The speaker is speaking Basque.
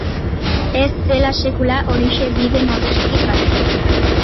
Ez zela sekula Orixe bide nagusitik baztertu